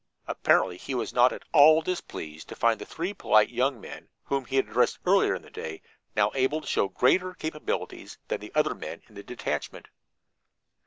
Apparently he was not at all displeased to find the three polite young men whom he had addressed earlier in the day, now able to show greater capabilities than the other men in the detachment.